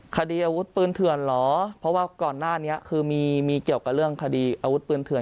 คดีอาวุธปืนเถื่อนเหรอเพราะว่าก่อนหน้านี้คือมีเกี่ยวกับเรื่องคดีอาวุธปืนเถื่อน